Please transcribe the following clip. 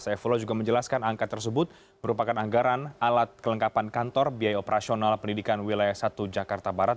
saifullah juga menjelaskan angka tersebut merupakan anggaran alat kelengkapan kantor biaya operasional pendidikan wilayah satu jakarta barat